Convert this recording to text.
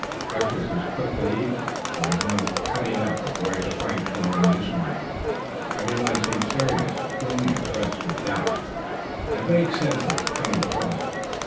Breakfast was quickly eaten. There was no "cutting up," or boyish pranks shown on this morning. Every one seemed serious, gloomy, oppressed with doubts, and a vague sense of coming trouble.